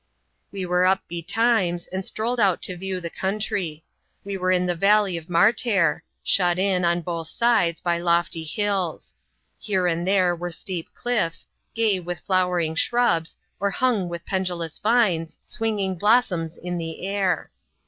We were up betimes, and strolled out to view the country. We were in the valley of Martair ; shut in, on both sides, by lofty hills. Here and there were steep cliffs, gay with flower^ ing shrubs, or hung with pendulous vines, swinging blossoms in the air.